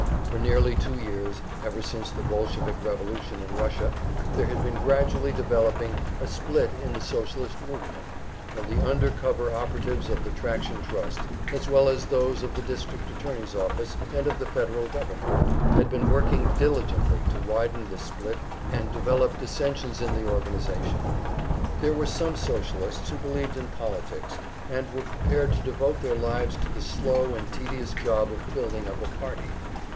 For nearly two years, ever since the Bolshevik revolution in Russia, there had been gradually developing a split in the Socialist movement, and the "under cover" operatives of the Traction Trust, as well as those of the district attorney's office and of the Federal government, had been working diligently to widen this split and develop dissensions in the organization. There were some Socialists who believed in politics, and were prepared to devote their lives to the slow and tedious job of building up a party.